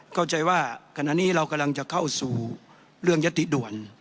เข้าใจว่าขณะนี้เรากำลังจะเข้าสู่เรื่องยัตติด่วน